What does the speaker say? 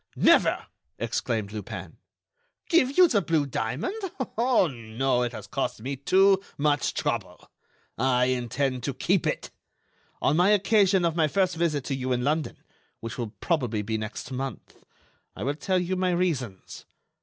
never!" exclaimed Lupin. "Give you the blue diamond? Oh! no, it has cost me too much trouble. I intend to keep it. On my occasion of my first visit to you in London—which will probably be next month—I will tell you my reasons.